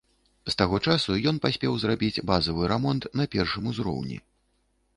З таго часу ён паспеў зрабіць базавы рамонт на першым узроўні.